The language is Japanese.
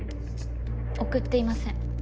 送っていません。